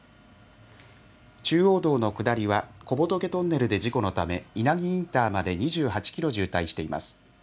中央道の下りは小仏トンネルで事故のため、稲木インターまで２８キロ渋滞しています。